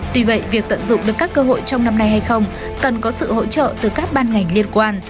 tuy vậy việc tận dụng được các cơ hội trong năm nay hay không cần có sự hỗ trợ từ các ban ngành liên quan